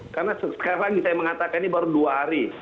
karena sekarang saya mengatakan ini baru dua hari